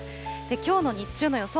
きょうの日中の予想